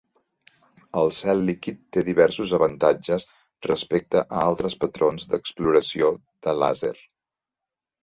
El cel líquid té diversos avantatges respecte a altres patrons d'exploració de làser.